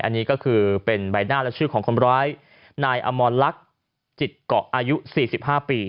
อันนี้ก็คือเป็นใบหน้าและชื่อของคนร้ายนายอมรลักษณ์จิตเกาะอายุ๔๕ปี